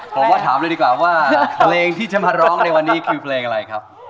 ผมว่าถามเลยดีกว่าว่าเพลงที่จะมาร้องในวันนี้คือเพลงอะไรครับ